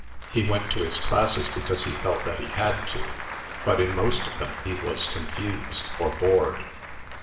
He went to his classes because he felt that he had to, but in most of them he was confused or bored.